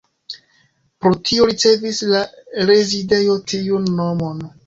Pro tio ricevis la rezidejo tiun nomon.